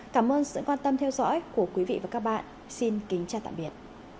cảm ơn sự quan tâm theo dõi của quý vị và các bạn xin kính chào tạm biệt